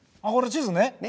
あっこれ地図ね。